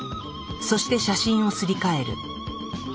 そして写真をすり替える。